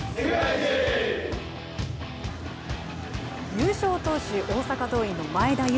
優勝投手・大阪桐蔭の前田悠